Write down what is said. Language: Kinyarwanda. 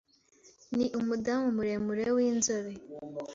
Ni umudamu muremure w’inzobe